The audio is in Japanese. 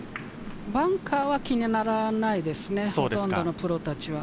バンカーは気にならないですね、ほとんどのプロたちは。